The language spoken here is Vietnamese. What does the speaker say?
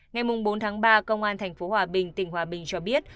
ngày bốn tháng ba công an tp hòa bình tỉnh hòa bình cho biết